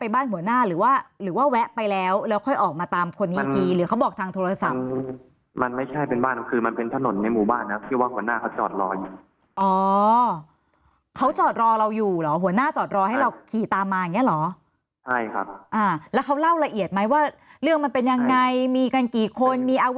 บ้านหัวหน้าหรือว่าหรือว่าแวะไปแล้วแล้วค่อยออกมาตามคนนี้อีกทีหรือเขาบอกทางโทรศัพท์มันไม่ใช่เป็นบ้านคือมันเป็นถนนในหมู่บ้านนะที่ว่าหัวหน้าเขาจอดรออยู่อ๋อเขาจอดรอเราอยู่เหรอหัวหน้าจอดรอให้เราขี่ตามมาอย่างเงี้เหรอใช่ครับอ่าแล้วเขาเล่าละเอียดไหมว่าเรื่องมันเป็นยังไงมีกันกี่คนมีอาวุ